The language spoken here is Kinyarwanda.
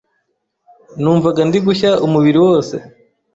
numvaga ndi gushya umubiri wose